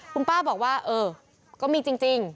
คุณป้าบอกว่าเออก็มีจริง